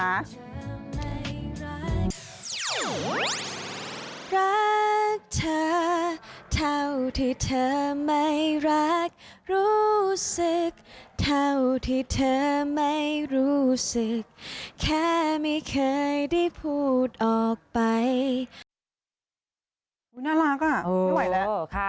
อุ๊ยน่ารักอะไม่ไหวแล้ว